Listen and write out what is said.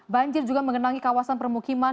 banjir juga mengenangi kawasan permukiman